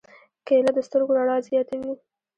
کېله د سترګو رڼا زیاتوي.